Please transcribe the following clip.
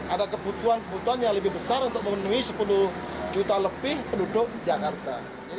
ada kebutuhan kebutuhan yang lebih besar untuk memenuhi sepuluh juta lebih penduduk jakarta